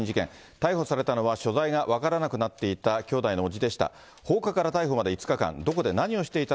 逮捕されたのは、所在が分からなくなっていた兄弟の伯父でした。